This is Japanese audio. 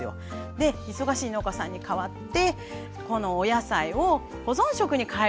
で忙しい農家さんに代わってこのお野菜を保存食に変える活動というのをしてます。